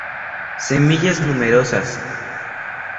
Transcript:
Semillas numerosas.